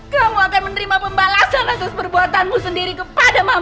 kamu akan menerima pembalasan atas perbuatanmu sendiri kepada mama